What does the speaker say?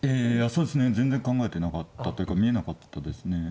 そうですね全然考えてなかったというか見えなかったですね